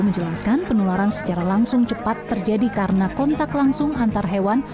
menjelaskan penularan secara langsung cepat terjadi karena kontak langsung antar hewan